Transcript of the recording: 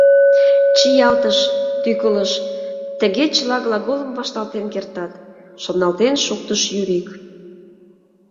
«Чиялтыш — тӱкылыш, тыге чыла глаголым вашталтен кертат», — шоналтен шуктыш Юрик.